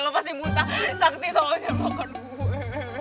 lo pasti buta sakti tolong jangan makan gue